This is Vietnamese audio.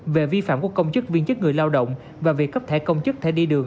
về vi phạm của công chức viên chức người lao động và việc cấp thẻ công chức thể đi đường